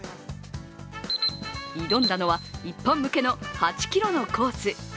挑んだのは、一般向けの８ｋｍのコース。